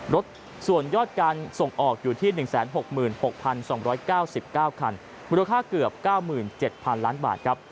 รถส่วนยอดการส่งออกอยู่ที่๑๖๖๒๙๙คันมูลค่าเกือบ๙๗๐๐ล้านบาทครับ